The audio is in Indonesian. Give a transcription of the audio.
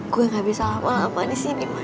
gue gak bisa lama lama disini man